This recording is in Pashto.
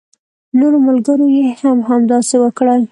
نورو ملګرو يې هم همداسې وکړل.